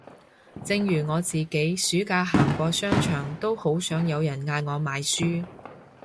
正如我自己暑假行過商場都好想有人嗌我買書